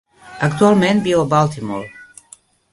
Actualment viu a Baltimore.